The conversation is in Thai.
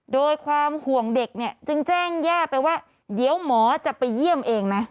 โดยความห่วงเด็กเนี่ยจึงแจ้งย่าไปว่าเดี๋ยวหมอจะไปเยี่ยมเองนะ